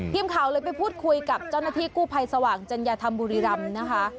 ทีมข่าวเลยไปพูดคุยกับเจ้าหน้าที่กู้ภัยสว่างจัญญาธรรมบุรีรำนะคะ